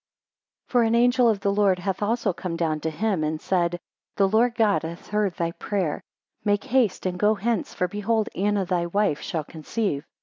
4 For an angel of the Lord hath also come down to him, and said, The Lord God hath heard thy prayer, make haste and go hence, for behold Anna thy wife shall conceive.